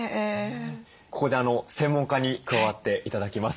ここで専門家に加わって頂きます。